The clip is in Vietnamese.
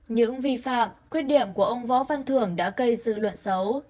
những vi phạm quyết điểm của ông võ văn thường đã gây sự luận xấu